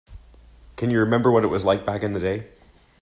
Can you remember what it was like back in the day?